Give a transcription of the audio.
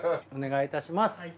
お願いいたします。